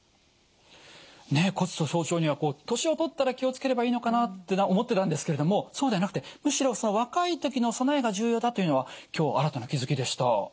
ねえ骨粗しょう症には年をとったら気を付ければいいのかなって思ってたんですけれどもそうではなくてむしろ若い時の備えが重要だというのは今日新たな気付きでした。